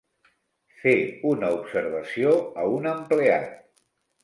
Fer una observació a un empleat.